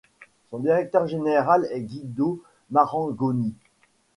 Son directeur général est Guido Marangoni.